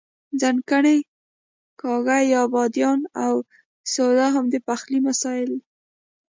ځڼکۍ، کاږه یا بادیان او سوډا هم د پخلي مسالې دي.